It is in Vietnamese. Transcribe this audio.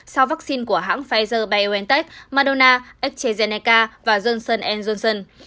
sau vaccine của hãng pfizer biontech madonna astrazeneca và johnson johnson